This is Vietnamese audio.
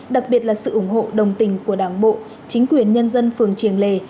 đặc biệt là sự ủng hộ đồng tình của đảng bộ chính quyền nhân dân phường triềng lề